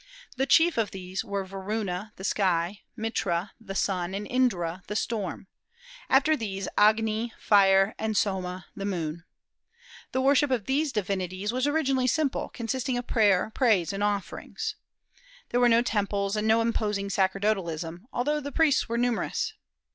The chief of these were Varuna, the sky; Mitra, the sun; and Indra, the storm: after these, Agni, fire; and Soma, the moon. The worship of these divinities was originally simple, consisting of prayer, praise, and offerings. There were no temples and no imposing sacerdotalism, although the priests were numerous.